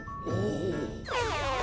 お。